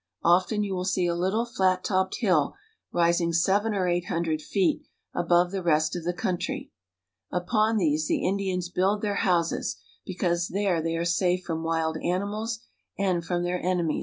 Often you will see a little flat topped hill rising seven or eight hundred feet above the rest of the country. Upon these the Indians build their houses, because there they are safe from wild animals and from their enemies.